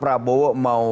gerasa gerusu atau apapun